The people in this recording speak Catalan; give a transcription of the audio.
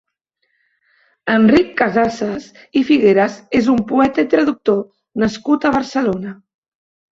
Enric Casasses i Figueres és un poeta i traductor nascut a Barcelona.